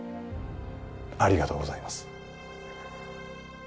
ありがとうございます